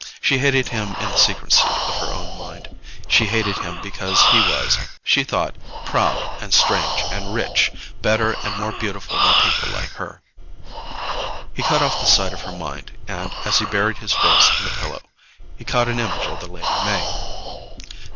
She hated him in the secrecy of her own mind. She hated him because he was she thought proud, and strange, and rich, better and more beautiful than people like her. He cut off the sight of her mind and, as he buried his face in the pillow, he caught an image of the Lady May.